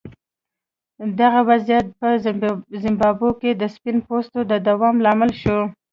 دغه وضعیت په زیمبابوې کې د سپین پوستو د دوام لامل شو.